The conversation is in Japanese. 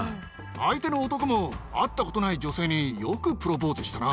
相手の男も、会ったことない女性に、よくプロポーズしたな。